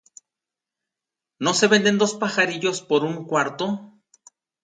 ¿No se venden dos pajarillos por un cuarto?